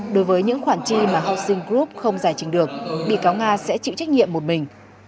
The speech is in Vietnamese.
đối với những khoản chi mà housing group không giải trình được bị cáo nga sẽ chịu trách nhiệm một mình